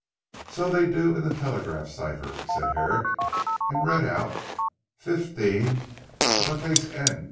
"So they do in the Telegraph cipher," said Herrick, and read out, "Fifteen N.